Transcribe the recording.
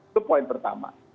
itu poin pertama